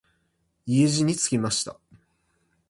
家路につきました。